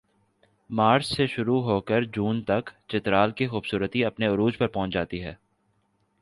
مارچ سے شروع ہوکر جون تک چترال کی خوبصورتی اپنے عروج پر پہنچ جاتی ہے